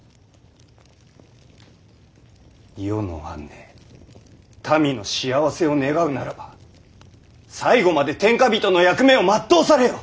世の安寧民の幸せを願うならば最後まで天下人の役目を全うされよ。